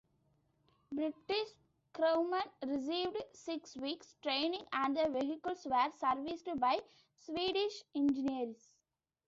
British crewmen received six weeks training and the vehicles were serviced by Swedish engineers.